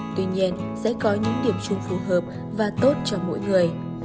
tuy nhiên sẽ có những điểm chung phù hợp và tốt cho mỗi người